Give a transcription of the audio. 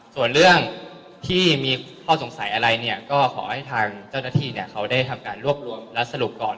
ส่วนเรื่องที่มีข้อสงสัยอะไรเนี่ยก็ขอให้ทางเจ้าหน้าที่เขาได้ทำการรวบรวมและสรุปก่อน